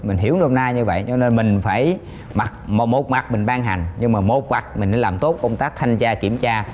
mình hiểu nôm na như vậy cho nên mình phải một mặt mình ban hành nhưng mà một mặt mình phải làm tốt công tác thanh tra kiểm tra